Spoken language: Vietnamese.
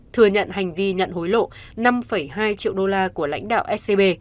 thừa nhận hành vi nhận hối lộ năm hai triệu đô la của lãnh đạo scb